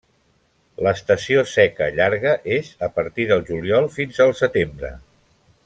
L'estació seca llarga és a partir del juliol fins al setembre.